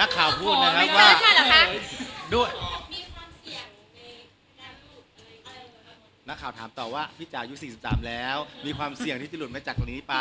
นักข่าวพูดนะครับว่าพี่จ๋าอยู่๔๓แล้วมีความเสี่ยงที่จะหลุดมาจากนี้ไป